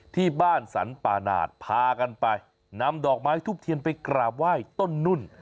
ที่บ้านสรรปานาศพากันไปนำดอกไม้ทุบเทียนไปกราบไหว้ต้นนุ่น